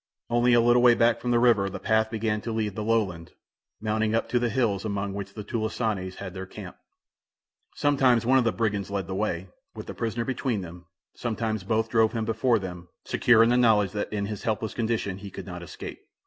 Only a little way back from the river the path began to leave the low land, mounting up to the hills among which the "tulisanes" had their camp. Sometimes one of the brigands led the way, with the prisoner between them, sometimes both drove him before them, secure in the knowledge that in his helpless condition he could not escape.